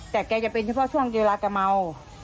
แต่แกจะเป็นเฉพาะช่วงเวลาแกเมา